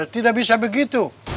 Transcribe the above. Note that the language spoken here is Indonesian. tidak bisa begitu